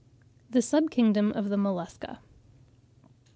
THE SUB KINGDOM OF THE MOLLUSCA.